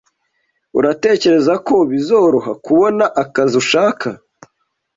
Uratekereza ko bizoroha kubona akazi ushaka?